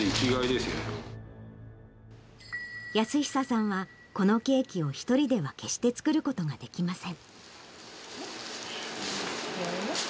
泰久さんは、このケーキを１人では決して作ることができません。